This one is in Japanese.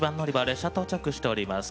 列車到着しております。